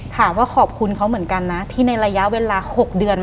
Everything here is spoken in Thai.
หลังจากนั้นเราไม่ได้คุยกันนะคะเดินเข้าบ้านอืม